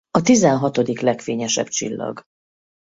A tizenhatodik legfényesebb csillag.